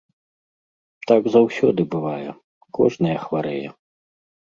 Так заўсёды бывае, кожная хварэе.